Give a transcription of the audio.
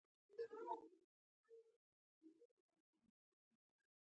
وژنه د نازولي ماشوم پر مرۍ چاړه وهل دي